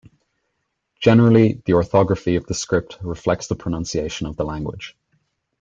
Generally the orthography of the script reflects the pronunciation of the language.